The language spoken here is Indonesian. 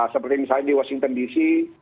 seperti misalnya di washington dc